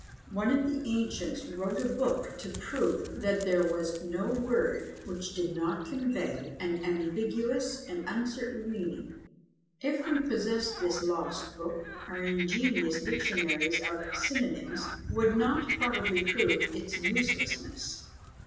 One of the ancients wrote a book to prove that there was no word which did not convey an ambiguous and uncertain meaning. If we possessed this lost book, our ingenious dictionaries of "synonyms" would not probably prove its uselessness.